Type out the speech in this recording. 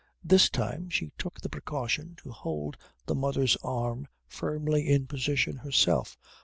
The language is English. This time she took the precaution to hold the mother's arm firmly in position herself.